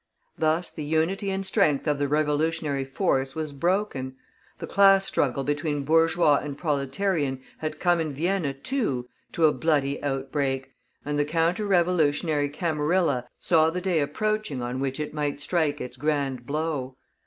Thus the unity and strength of the revolutionary force was broken; the class struggle between bourgeois and proletarian had come in Vienna, too, to a bloody outbreak, and the counter revolutionary camarilla saw the day approaching on which it might strike its grand blow.